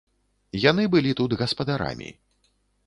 Яны былі тут гаспадарамі.